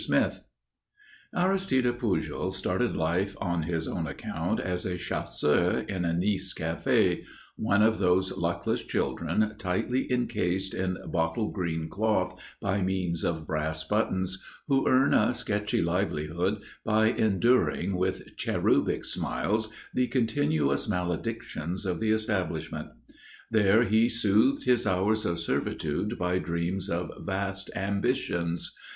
SMITH Aristide Pujol started life on his own account as a chasseur in a Nice café one of those luckless children tightly encased in bottle green cloth by means of brass buttons, who earn a sketchy livelihood by enduring with cherubic smiles the continuous maledictions of the establishment. There he soothed his hours of servitude by dreams of vast ambitions.